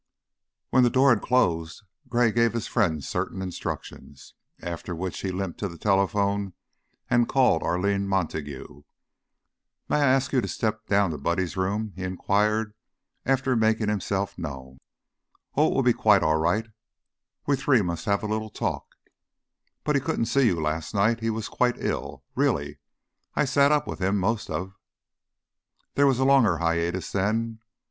When the door had closed, Gray gave his friend certain instructions, after which he limped to the telephone and called Arline Montague. "May I ask you to step down to Buddy's room?" he inquired, after making himself known. "Oh, it will be quite all right We three must have a little talk But he couldn't see you last night. He was quite ill, really; I sat up with him most of " There was a longer hiatus then.